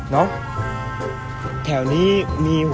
น็อม